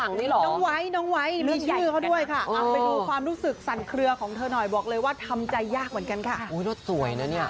รู้สึกสั่นเครือของเธอหน่อยบอกเลยว่าทำใจยากเหมือนกันค่ะอุ้ยรถสวยน่ะเนี้ย